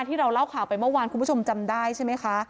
ที่เราเล่าข่าวไปเมื่อวานคุณผู้ชมจำได้ใช่ไหมคะ